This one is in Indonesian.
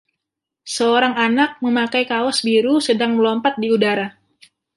Seorang anak memakai kaos biru sedang melompat di udara.